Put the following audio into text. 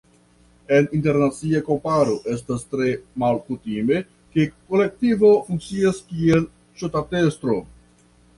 En internacia komparo estas tre malkutime, ke kolektivo funkcias kiel ŝtatestro.